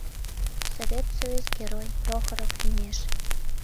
Совет Союз Герой Прохоров лӱмеш